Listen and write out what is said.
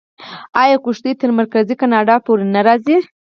آیا کښتۍ تر مرکزي کاناډا پورې نه راځي؟